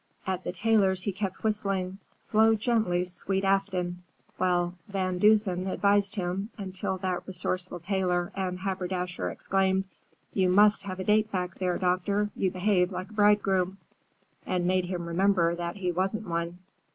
At the tailor's he kept whistling, "Flow gently, Sweet Afton," while Van Dusen advised him, until that resourceful tailor and haberdasher exclaimed, "You must have a date back there, doctor; you behave like a bridegroom," and made him remember that he wasn't one.